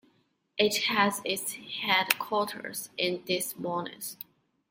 It has its headquarters in Des Moines.